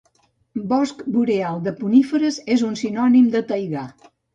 Bosc boreal de coníferes és un sinònim de taigà.